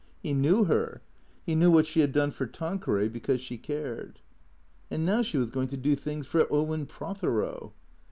He knew her. He knew what she had done for Tanqueray because she cared. And now she was going to do things for Owen Prothero.